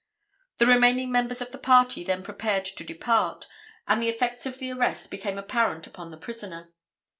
The remaining members of the party then prepared to depart, and the effects of the arrest became apparent upon the prisoner.